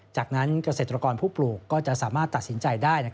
จากนั้นเกษตรกรผู้ปลูกก็จะสามารถตัดสินใจได้